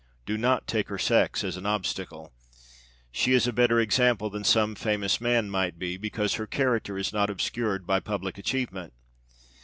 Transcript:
Do not take her sex as an obstacle. She is a better example than some famous man might be, because her character is not obscured by public achievement.